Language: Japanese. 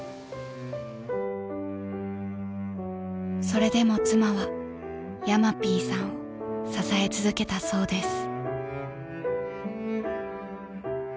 ［それでも妻はヤマピーさんを支え続けたそうです］